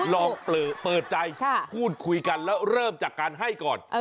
ลองเปิดใจพูดคุยกันแล้วเริ่มจากการให้ก่อน